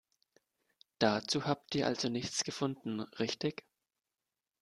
Dazu habt ihr also nichts gefunden, richtig?